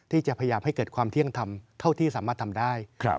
ที่จะพยายามให้เกิดความเที่ยงธรรมเท่าที่สามารถทำได้